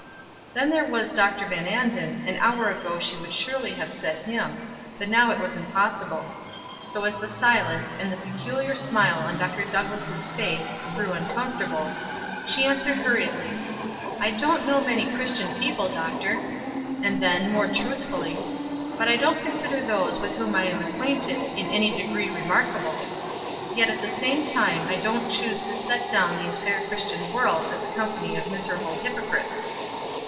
Then there was Dr. Van Anden, an hour ago she would surely have said him, but now it was impossible; so as the silence, and the peculiar smile on Dr. Douglass' face, grew uncomfortable, she answered hurriedly: "I don't know many Christian people, Doctor." And then, more truthfully: "But I don't consider those with whom I am acquainted in any degree remarkable; yet at the same time I don't choose to set down the entire Christian world as a company of miserable hypocrites."